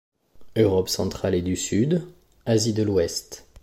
Europe centrale et du sud, Asie de l'ouest.